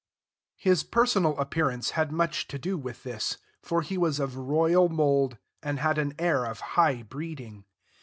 His personal appearance had much to do with this, for he was of royal mould, and had an air of high breeding.